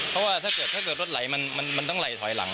เพราะว่าถ้าเกิดรถไหลมันต้องไหลถอยหลัง